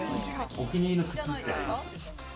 お気に入りの靴ありますか？